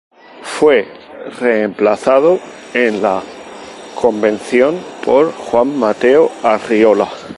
Fue reemplazado en la Convención por Juan Mateo Arriola.